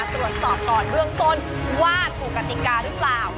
ตรวจสอบก่อนเมื่อต้นว่าถูกกติการึ่าก้าว